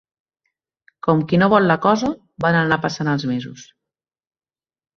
Com qui no vol la cosa, van anar passant els mesos.